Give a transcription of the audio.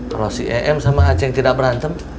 kalo si em sama acing tidak berantem